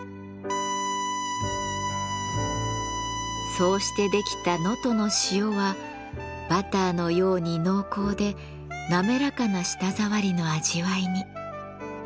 そうしてできた能登の塩はバターのように濃厚で滑らかな舌触りの味わいに。